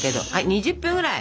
２０分ぐらい！